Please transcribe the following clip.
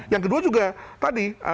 yang kedua juga tadi